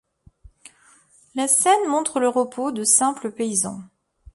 La scène montre le repos de simples paysans.